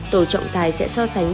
tổ trọng tài sẽ so sánh